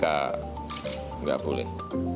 tapi tidak boleh